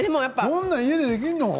こんなの家でできるの？